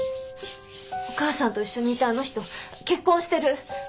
お母さんと一緒にいたあの人結婚してる。